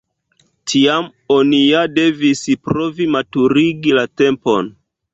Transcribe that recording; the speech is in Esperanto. Tiam oni ja devis provi maturigi la tempon.